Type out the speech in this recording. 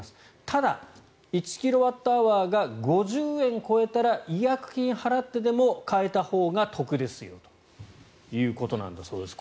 ただ１キロワットアワーが５０円超えたら違約金を払ってでも変えたほうが得ですよということなんだそうです。